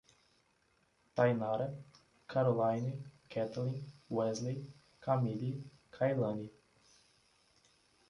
Thainara, Karolaine, Ketelin, Ueslei e Camilly, Kaylane